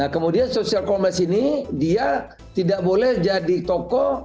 kemudian social commerce ini dia tidak boleh jadi tokoh